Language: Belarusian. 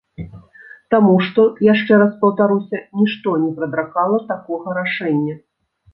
Таму што, яшчэ раз паўтаруся, нішто не прадракала такога рашэння.